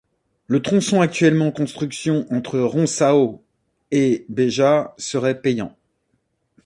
Le tronçon actuellement en construction entre Roncão et Beja sera payant.